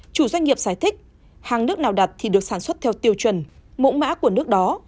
chủ doanh nghiệp giải thích hàng nước nào đặt thì được sản xuất theo tiêu chuẩn mẫu mã của nước đó